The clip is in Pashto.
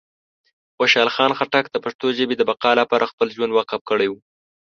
خوشحال خان خټک د پښتو ژبې د بقا لپاره خپل ژوند وقف کړی و.